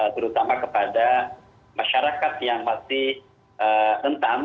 terutama kepada masyarakat yang masih rentan